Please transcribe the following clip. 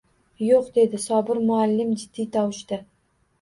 Yo‘q, dedi Sobir muallim jiddiy tovushda.